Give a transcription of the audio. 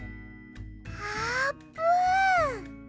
あーぷん！